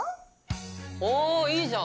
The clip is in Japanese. おおいいじゃん！